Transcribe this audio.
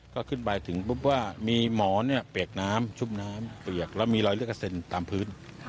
ก็ขึ้นไปถึงปุ๊บว่ามีหมอเนี่ยเปียกน้ำชุบน้ำเปลือกแล้วมีรอยเลือดกระเซ็นตามพื้น